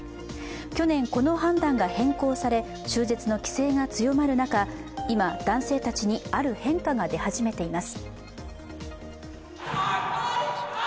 去年、この判断が変更され、中絶の規制が強まる中、今、男性たちにある変化が出始めています。